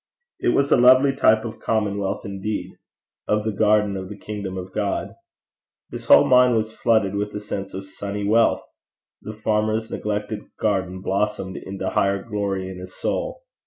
It was a lovely type of a commonwealth indeed, of the garden and kingdom of God. His whole mind was flooded with a sense of sunny wealth. The farmer's neglected garden blossomed into higher glory in his soul.